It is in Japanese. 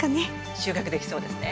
収穫できそうですね。